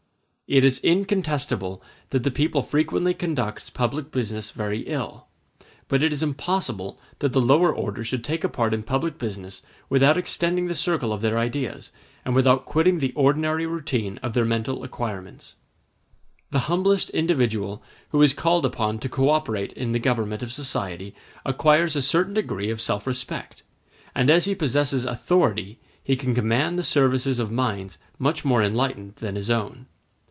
It is incontestable that the people frequently conducts public business very ill; but it is impossible that the lower orders should take a part in public business without extending the circle of their ideas, and without quitting the ordinary routine of their mental acquirements. The humblest individual who is called upon to co operate in the government of society acquires a certain degree of self respect; and as he possesses authority, he can command the services of minds much more enlightened than his own.